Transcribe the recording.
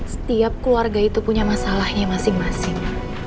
setiap keluarga itu punya masalahnya masing masing